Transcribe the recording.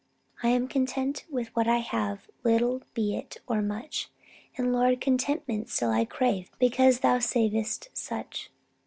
I am content with what I have, Little be it, or much: And, Lord, contentment still I crave, Because thou savest such.